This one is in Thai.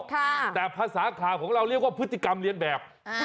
แต่ภาษาข่าวของเราเรียกว่าพฤติกรรมเรียนแบบ